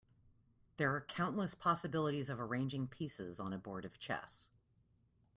There are countless possibilities of arranging pieces on a board of chess.